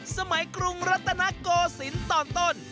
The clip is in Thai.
สมัยกรุงรัฐนาโกศิลป์ตอน